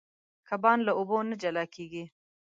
کبان له اوبو نه جلا کېږي.